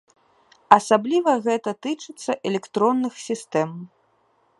Асабліва гэта тычыцца электронных сістэм.